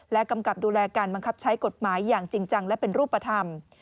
กำกับดูแลการบังคับใช้กฎหมายอย่างจริงจังและเป็นรูปธรรม